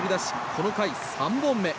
この回、３本目。